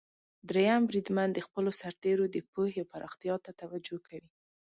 دریم بریدمن د خپلو سرتیرو د پوهې پراختیا ته توجه کوي.